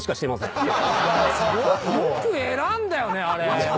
よく選んだよねあれ。